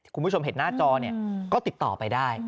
คุณผู้ชมเห็นหน้าจอเนี่ยก็ติดต่อไปได้